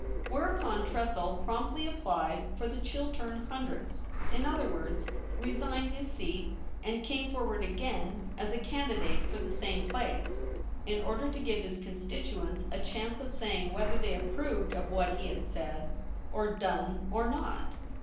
Where 32 THE REBEL ROSE. Upon Tressel promptly applied for the Chiltern Hundreds — In other words, resigned his seat — and came forward again as a candidate for the same place, in order to give his consti tuents a chance of saying whether they approved of what he had said and done or not.